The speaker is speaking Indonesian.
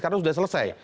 karena sudah selesai